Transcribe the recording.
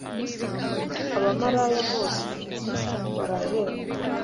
Abamaraya bose barahembwa